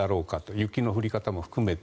雪の降り方も含めて。